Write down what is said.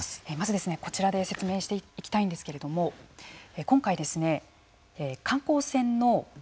まず、こちらで説明していきたいんですけれども今回、観光船のＫＡＺＵ